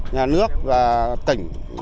nhà nước và tỉnh